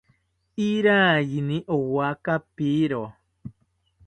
Iraiyini owa kapiro